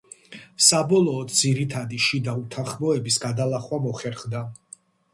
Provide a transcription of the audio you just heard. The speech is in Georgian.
საბოლოოდ, ძირითადი შიდა უთანხმოებების გადალახვა მოხერხდა.